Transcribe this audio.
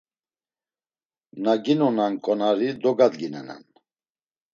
Na ginonan ǩonari dogadginenan.